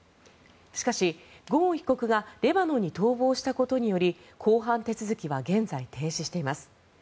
しかし、ゴーン被告がレバノンに逃亡したことにより公判手続きは現在、停止しています。